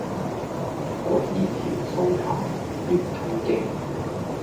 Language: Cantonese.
可以調素琴，閱金經